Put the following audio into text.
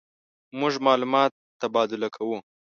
مونږ معلومات تبادله کوو.